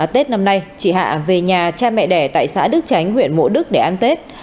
tết năm nay chị hạ về nhà cha mẹ đẻ tại xã đức tránh huyện mộ đức để ăn tết